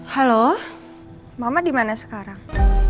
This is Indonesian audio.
halo mama dimana sekarang